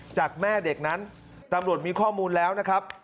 จากแม่เด็กนั้นตำรวจมีข้อมูลแล้วนะครับ